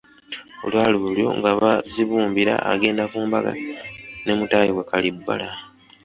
Olwali olwo nga Bazibumbira agenda ku mbaga ne mutaayi we Kalibbala.